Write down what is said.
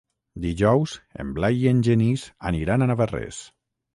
Dijous en Blai i en Genís aniran a Navarrés.